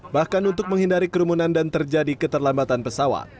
bahkan untuk menghindari kerumunan dan terjadi keterlambatan pesawat